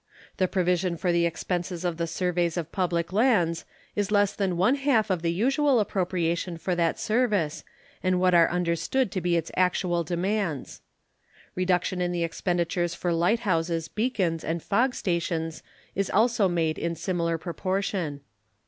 The provision for the expenses of the surveys of public lands is less than one half of the usual appropriation for that service and what are understood to be its actual demands. Reduction in the expenditures for light houses, beacons, and fog stations is also made in similar proportion.